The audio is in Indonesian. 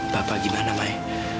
bapak gimana mai